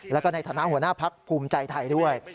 แล้วก็ในฐานะหัวหน้าพักภูมิใจไทยด้วย